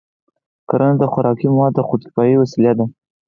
کرنه د خوراکي موادو د خودکفایۍ وسیله ده.